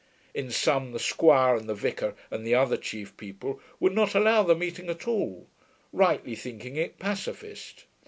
In some the squire and the vicar and the other chief people would not allow the meeting at all, rightly thinking it pacificist.